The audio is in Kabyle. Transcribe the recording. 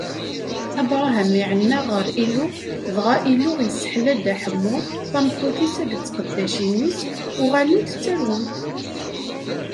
Abṛaham iɛenna ɣer Yillu, dɣa Illu yesseḥla Dda Ḥemmu, tameṭṭut-is akked tqeddacin-is: uɣalent ttarwent.